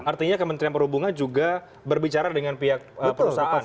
artinya kementerian perhubungan juga berbicara dengan pihak perusahaan